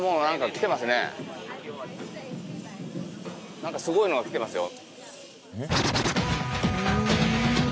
何かすごいのが来てますよ